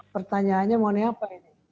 pertanyaannya mau ini apa